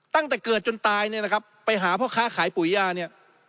ตั้งแต่เกิดจนตายเนี่ยนะครับไปหาพ่อค้าขายปุ๋ยยาเนี่ย